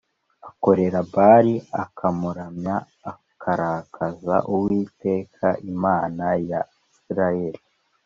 Akorera Bāli akamuramya, akarakaza Uwiteka Imana ya Isirayeli